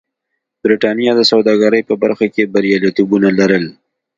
برېټانیا د سوداګرۍ په برخه کې بریالیتوبونه لرل.